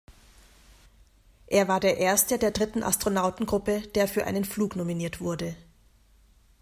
Er war der erste der dritten Astronautengruppe, der für einen Flug nominiert wurde.